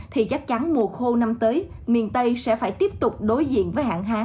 thì chắc chắn mùa khô năm tới miền tây sẽ phải tiếp tục đối diện với hạn hán và xâm nhập mặn